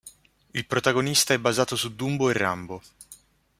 Il protagonista è basato su Dumbo e Rambo.